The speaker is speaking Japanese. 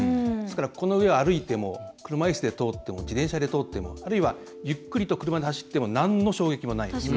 この上を歩いても車いすで通っても自転車で通ってもあるいは、ゆっくり車で走ってもなんの衝撃もないんです。